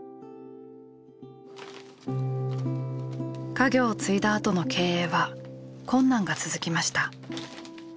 家業を継いだあとの経営は困難が続きました。